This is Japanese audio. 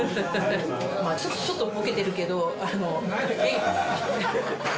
ちょっとぼけてるけど。